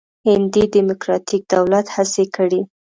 هندي ډموکراتیک دولت هڅې کړې.